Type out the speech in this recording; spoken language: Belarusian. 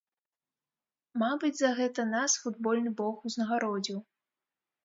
Мабыць, за гэта нас футбольны бог узнагародзіў.